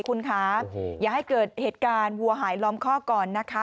คุณคะอย่าให้เกิดเหตุการณ์วัวหายล้อมข้อก่อนนะคะ